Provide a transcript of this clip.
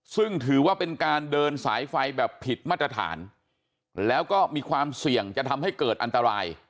ซึ่งถือว่าเป็นการเดินสายไฟแบบผิดมาตรฐานแล้วก็มีความเสี่ยงจะทำให้เกิดอันตราย